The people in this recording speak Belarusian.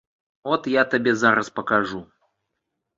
От я табе зараз пакажу.